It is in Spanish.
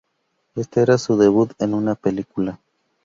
Éste era su debut en una película.